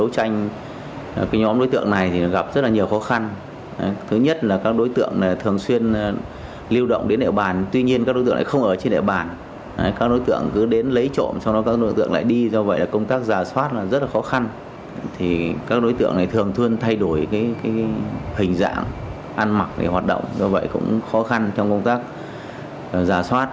các đối tượng thường thường thay đổi hình dạng ăn mặc để hoạt động do vậy cũng khó khăn trong công tác giả soát